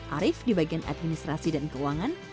arief di bagian administrasi dan keuangan